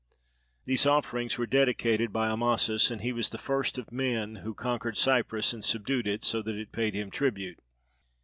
These offerings were dedicated by Amasis; and he was the first of men who conquered Cyprus and subdued it so that it paid him tribute.